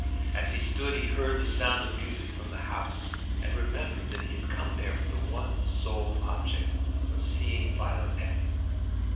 As he stood he heard the sound of music from the house, and remembered that he had come there with the one sole object of seeing Violet Effingham.